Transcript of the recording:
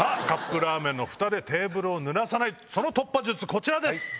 カップラーメンの蓋でテーブルをぬらさないその突破術こちらです。